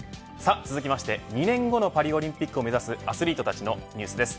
続きまして、２年後のパリオリンピックを目指すアスリートたちのニュースです。